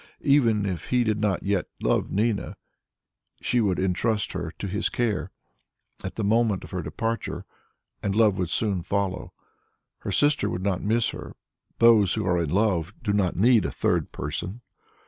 Even if he did not yet love Nina, she would entrust her to his care, at the moment of her departure, and love would soon follow. Her sister would not miss her; those who are in love do not need a third person.